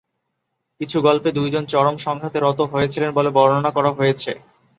কিছু গল্পে দুইজন চরম সংঘাতে রত হয়েছিল বলে বর্ণনা করা হয়েছে।